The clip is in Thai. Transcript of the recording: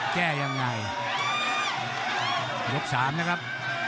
แก้ยังไงยกสามนะครับ